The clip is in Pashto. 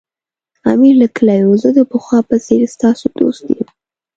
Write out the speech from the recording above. امیر لیکلي وو زه د پخوا په څېر ستاسو دوست یم.